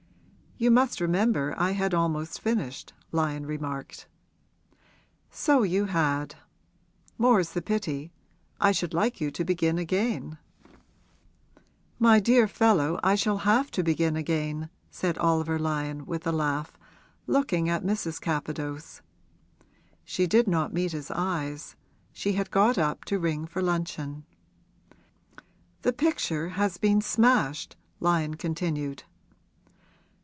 'You must remember I had almost finished,' Lyon remarked. 'So you had. More's the pity. I should like you to begin again.' 'My dear fellow, I shall have to begin again!' said Oliver Lyon with a laugh, looking at Mrs. Capadose. She did not meet his eyes she had got up to ring for luncheon. 'The picture has been smashed,' Lyon continued.